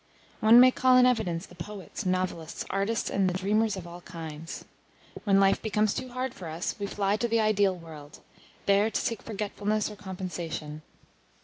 One may call in evidence the poets, novelists, artists, and the dreamers of all kinds. When life becomes too hard for us, we fly to the ideal world, there to seek forgetfulness or compensation.